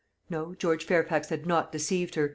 No, George Fairfax had not deceived her.